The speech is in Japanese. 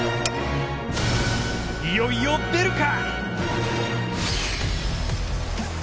いよいよ出るか！？